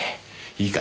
いいか？